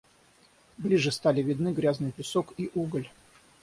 Ближе стали видны грязный песок и уголь.